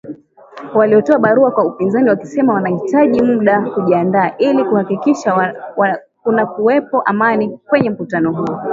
Walitoa barua kwa upinzani wakisema wanahitaji muda kujiandaa ili kuhakikisha kunakuwepo Amani kwenye mkutano huo